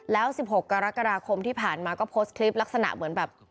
แล้ว๑๖กรกฎาคมที่ผ่านมาก็โพสต์คลิปลักษณะเหมือนแบบ